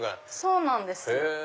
そうなんです。